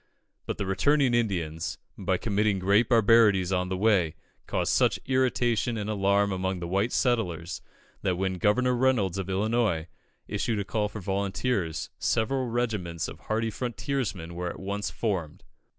But the returning Indians, by committing great barbarities on the way, caused such irritation and alarm among the white settlers, that when Governor Reynolds of Illinois, issued a call for volunteers, several regiments of hardy frontiersmen were at once formed.